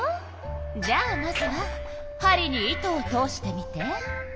じゃあまずは針に糸を通してみて。